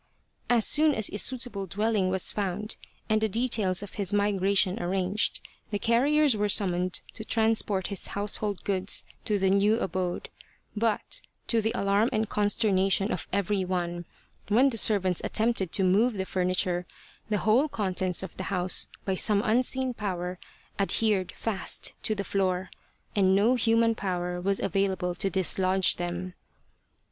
As soon as a suitable dwelling was found and the details of his migration arranged, the carriers were summoned to transport his household goods to the new abode, but to the alarm and consternation of every one, when the servants attempted to move the furniture, the whole contents of the house by some unseen power adhered fast to the floor, and no human power was available to dislodge them.